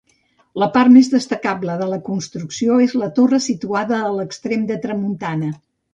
La part més destacable de la construcció és la torre situada a l'extrem de tramuntana.